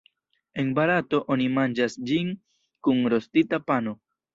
En Barato, oni manĝas ĝin kun rostita pano.